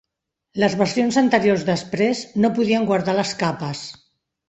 Les versions anteriors d'Express no podien guardar les capes.